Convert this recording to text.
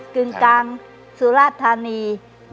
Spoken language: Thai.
กึงกังสุรธานี